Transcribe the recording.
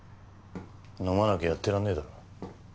飲まなきゃやってらんねえだろ。